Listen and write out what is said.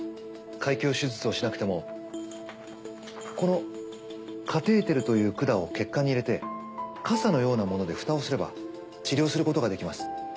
開胸手術をしなくてもこのカテーテルという管を血管に入れて傘のようなもので蓋をすれば治療することができます。